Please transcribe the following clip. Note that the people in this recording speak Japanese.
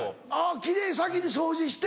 奇麗に先に掃除して。